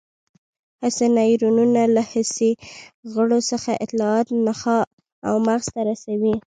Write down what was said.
حسي نیورونونه له حسي غړو څخه اطلاعات نخاع او مغز ته رسوي.